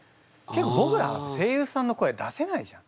ぼくら声優さんの声出せないじゃん。